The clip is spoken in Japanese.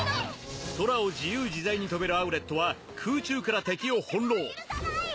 空を自由自在に飛べるアウレットは空中から敵を翻弄。